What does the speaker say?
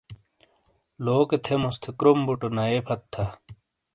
لوکے تھیموس تھے کروم بُوٹو نَئیے پھَت تھا۔